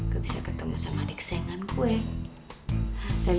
gue bisa ketemu sama adik sayanganku ya